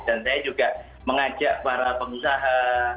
dan saya juga mengajak para pengusaha